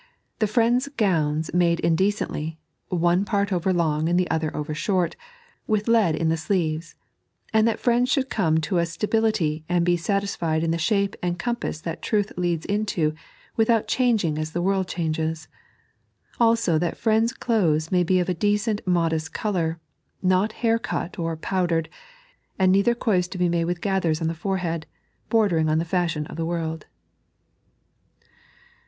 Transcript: the Friends' gowns made indecently, one part over long and the other too short, with lead in the sleeves, and that Friends should come to a stability and be satisfied in the shape and compas that Truth leads into without changing as the world changes, allso that Friends' cloaths may be of a decent modest colour, not hair cut or powdered, and neither coives to be made with gathers on the forahead, bordering on the fashion of the world."